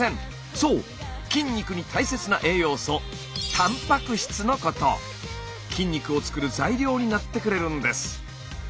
そう筋肉に大切な栄養素筋肉を作る材料になってくれるんです。